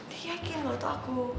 diyakin kalau tuh aku